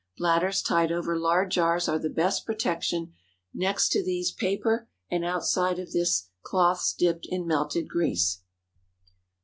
Bladders tied over lard jars are the best protection; next to these, paper, and outside of this, cloths dipped in melted grease.